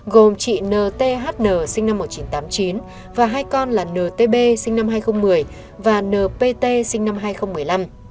gồm chị nthn sinh năm một nghìn chín trăm tám mươi chín và hai con là ntb sinh năm hai nghìn một mươi và npt sinh năm hai nghìn một mươi năm